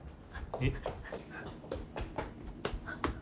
えっ？